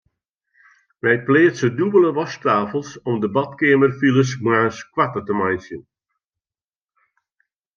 Wy pleatse dûbelde wasktafels om de badkeamerfiles moarns koarter te meitsjen.